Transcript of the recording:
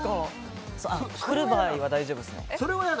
来る場合は大丈夫ですね。